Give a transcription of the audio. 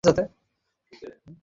সে এখন তোমাকে অনুভব করে।